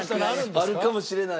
あるかもしれない。